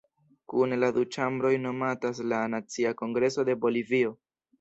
Kune la du ĉambroj nomatas la "Nacia Kongreso de Bolivio".